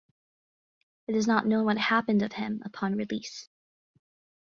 It is not known what happened of him upon release.